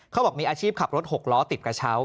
เขาบอกมีอาชีพขับรถ๖ล้อติดกระเช้า